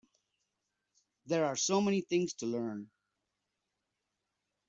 There are so many things to learn.